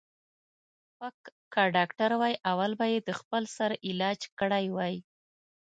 ـ پک که ډاکتر وای اول به یې د خپل سر علاج کړی وای.